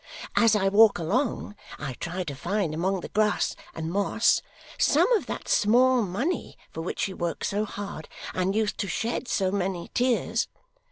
As I walk along, I try to find, among the grass and moss, some of that small money for which she works so hard and used to shed so many tears.